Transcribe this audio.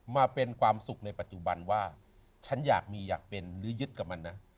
มาเป็นความสุขในปัจจุบันว่าฉันอยากมีอยากเป็นหรือยึดกับมันนะ